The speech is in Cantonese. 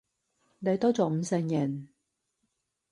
你都仲唔承認！